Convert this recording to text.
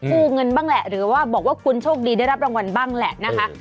กู้เงินบ้างแหละหรือว่าบอกว่าคุณโชคดีได้รับรางวัลบ้างแหละนะคะ